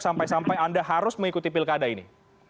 sampai sampai anda harus mengikuti pilkada ini